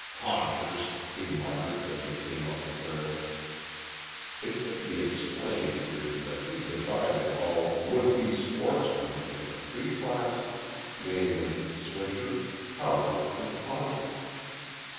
"Paunchers!" he muttered, as he came up the trail. It should be explained here that he divided all "would be sportsmen" into three classes namely, swishers, pouters, and paunchers.